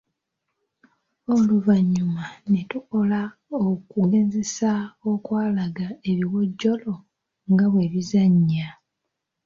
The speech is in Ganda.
Oluvannyuma ne tukola okugezesa okwalaga ebiwojjolo nga bwe bizannya.